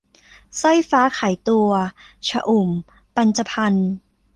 สร้อยฟ้าขายตัว - ชอุ่ม ปัญจพรรค์